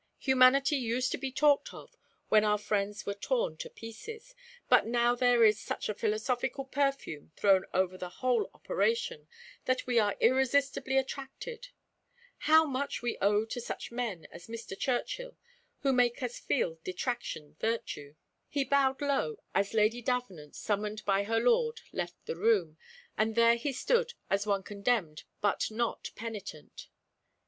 Humanity used to be talked of when our friends were torn to pieces, but now there is such a philosophical perfume thrown over the whole operation, that we are irresistibly attracted. How much we owe to such men as Mr. Churchill, who make us feel detraction virtue!" He bowed low as Lady Davenant, summoned by her lord, left the room, and there he stood as one condemned but not penitent.